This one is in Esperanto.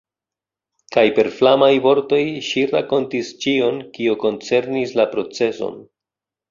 Kaj per flamaj vortoj ŝi rakontis ĉion, kio koncernis la proceson.